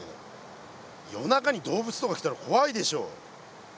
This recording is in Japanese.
夜中に動物とか来たら怖いでしょ？